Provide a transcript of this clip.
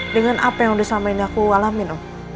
dengan apa yang udah selama ini aku alamin om